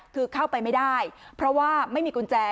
คือเข้าไปไม่ได้เพราะว่าไม่มีกุญแจ